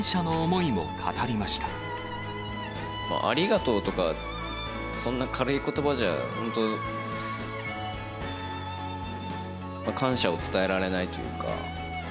ありがとうとか、そんな軽いことばじゃ、本当、感謝を伝えられないというか。